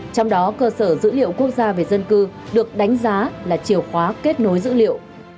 trong đó cơ sở dữ liệu quốc gia về dân cư được đánh giá là chiều khóa kết nối dữ liệu